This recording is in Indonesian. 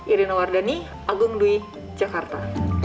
irina wardani agungdui jakarta